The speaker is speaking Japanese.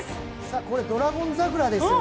これ「ドラゴン桜」ですよね。